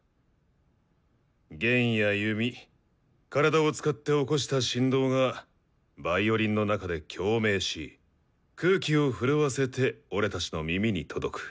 弦や弓体を使って起こした振動がヴァイオリンの中で共鳴し空気を震わせて俺たちの耳に届く。